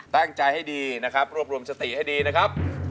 ตั้งใจให้ดีนะครับรวบรวมสติให้ดีนะครับ